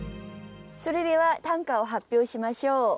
それでは短歌を発表しましょう。